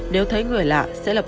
nếu thấy người lạ sẽ lập tức bỏ